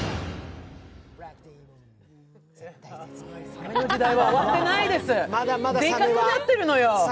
サメの時代は終わってないです、でかくなってるのよ。